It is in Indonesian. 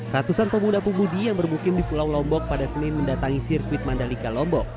ratusan pemuda pemudi yang bermukim di pulau lombok pada senin mendatangi sirkuit mandalika lombok